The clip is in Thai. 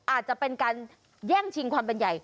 อาจจะเป็นการแย่งชิงความเป็นใหญ่